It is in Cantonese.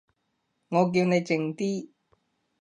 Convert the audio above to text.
我叫你靜啲